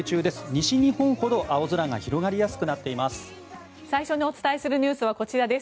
西日本ほど青空が広がりやすくなっています。